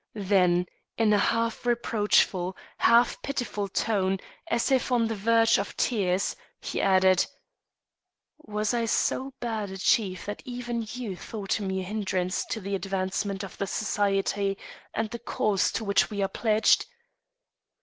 Then, in a half reproachful, half pitiful tone, as if on the verge of tears, he added: "Was I so bad a chief that even you thought me a hindrance to the advancement of the society and the cause to which we are pledged?"